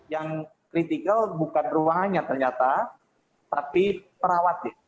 yang kritikal bukan ruangannya ternyata tapi perawatnya